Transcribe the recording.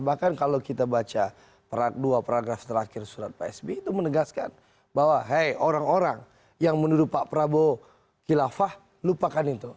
bahkan kalau kita baca dua paragraf terakhir surat pak sby itu menegaskan bahwa hey orang orang yang menurut pak prabowo kilafah lupakan itu